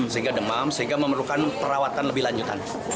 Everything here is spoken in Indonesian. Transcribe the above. sehingga demam sehingga memerlukan perawatan lebih lanjutan